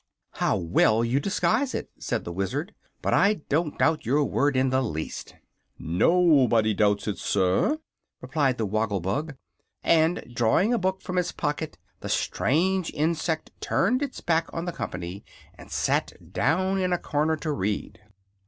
"How well you disguise it," said the Wizard. "But I don't doubt your word in the least." "Nobody doubts it, sir," replied the Woggle Bug, and drawing a book from its pocket the strange insect turned its back on the company and sat down in a corner to read.